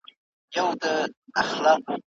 ایا پښتانه به په خپله خاوره کې په سوله کې ژوند وکړي؟